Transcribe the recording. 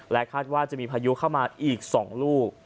คาดว่าจะมีพายุเข้ามาอีก๒ลูก